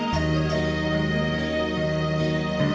ผมขอให้คุณผู้ชม